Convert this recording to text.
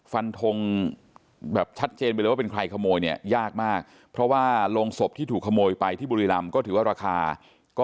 ฟันทงแบบชัดเจนไปเลยว่าเป็นใครขโมยเนี่ยยากมากเพราะว่าโรงศพที่ถูกขโมยไปที่บุรีรำก็ถือว่าราคาก็